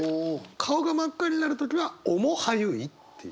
顔が真っ赤になる時は面映いっていう。